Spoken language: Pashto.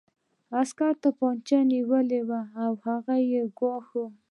عسکر توپانچه نیولې وه او هغه یې ګواښه